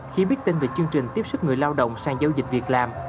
khi biết tin về chương trình tiếp sức người lao động sang giao dịch việc làm